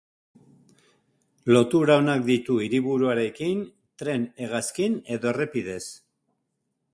Lotura onak ditu hiriburuarekin, tren, hegazkin edo errepidez.